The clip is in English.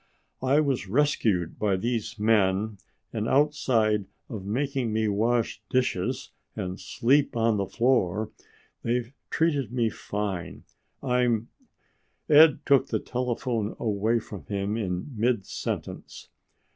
"I was rescued by these men and outside of making me wash dishes and sleep on the floor, they've treated me fine. I'm " Ed took the telephone away from him in mid sentence.